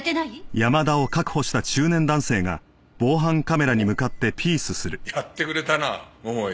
おっやってくれたな桃井。